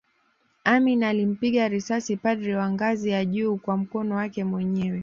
Amin alimpiga risasi padri wa ngazi ya juu kwa mkono wake mwenyewe